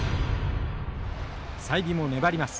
済美も粘ります。